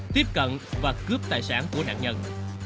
tiếp cận và cướp tài sản của nạn nhân